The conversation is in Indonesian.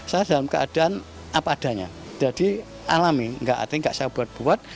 saya dalam keadaan apa adanya jadi alami enggak artinya enggak saya buat buat